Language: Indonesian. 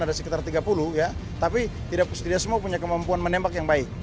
ada sekitar tiga puluh ya tapi tidak semua punya kemampuan menembak yang baik